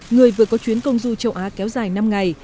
người vừa có chuyến công du châu á kéo dài năm ngày